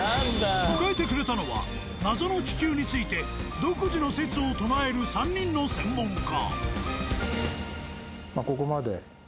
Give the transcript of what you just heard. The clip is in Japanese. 迎えてくれたのは謎の気球について独自の説を唱える３人の専門家。